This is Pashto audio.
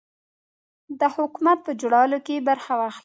د حکومت په جوړولو کې برخه واخلي.